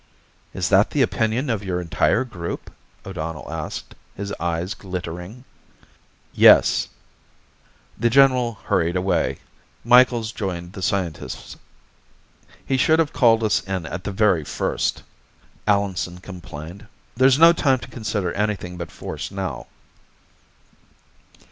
"Is that the opinion of your entire group?" O'Donnell asked, his eyes glittering. "Yes." The general hurried away. Micheals joined the scientists. "He should have called us in at the very first," Allenson complained. "There's no time to consider anything but force now."